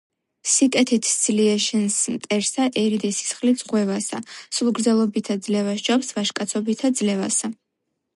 „სიკეთით სძლიე შენს მტერსა, ერიდე სისხლით ზღვევასა: სულგრძელობითა ძლევა სჯობს ვაჟკაცობითა ძლევასა.“